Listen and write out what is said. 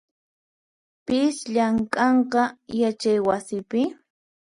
Pis llamk'anqa yachaywasipi?